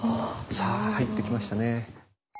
さあ入ってきましたね。